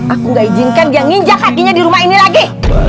aku gak izinkan dia nginjak kakinya di rumah ini lagi